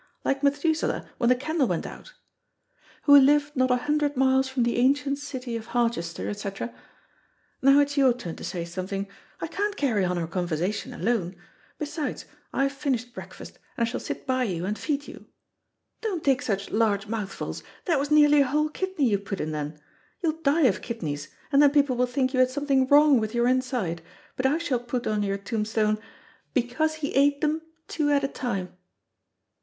like Methusaleh when the candle went out), who lived not a hundred miles from the ancient city of Harchester,' etc. Now it's your turn to say something, I can't carry on a conversation alone. Besides, I've finished breakfast, and I shall sit by you and feed you. Don't take such large mouthfuls. That was nearly a whole kidney you put in then. You'll die of kidneys, and then people will think you had something wrong with your inside, but I shall put on your tombstone, 'Because he ate them, two at a time.'"